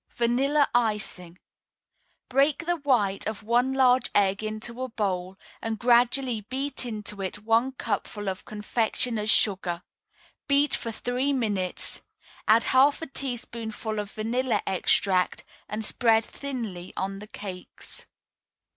VANILLA ICING Break the white of one large egg into a bowl, and gradually beat into it one cupful of confectioners' sugar. Beat for three minutes, add half a teaspoonful of vanilla extract, and spread thinly on the cakes.